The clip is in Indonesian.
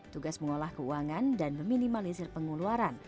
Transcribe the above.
tugas mengolah keuangan dan meminimalisir pengeluaran